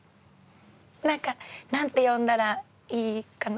なんかなんて呼んだらいいかな？